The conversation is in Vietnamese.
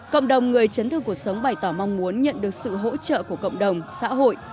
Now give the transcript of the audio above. cộng đồng người chấn thương cuộc sống bày tỏ mong muốn nhận được sự hỗ trợ của cộng đồng xã hội